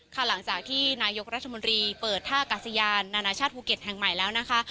หลังจากที่นายกรัฐมนตรีเปิดท่ากาศยานนานาชาติภูเก็ตแห่งใหม่แล้วนะคะ